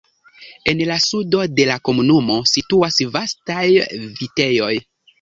En la sudo de la komunumo situas vastaj vitejoj.